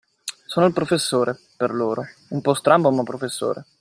Sono il professore, per loro: un po' strambo, ma professore!